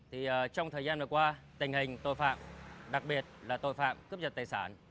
trong thời gian vừa qua tình hình tội phạm đặc biệt là tội phạm cướp trật tài sản